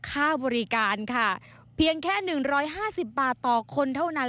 ค่าบริการค่ะเพียงแค่หนึ่งร้อยห้าสิบบาทต่อคนเท่านั้น